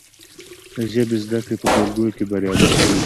د ژبې زده کړې په ټولګیو کې بریالۍ شوي دي.